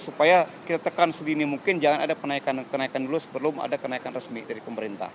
supaya kita tekan sedini mungkin jangan ada kenaikan dulu sebelum ada kenaikan resmi dari pemerintah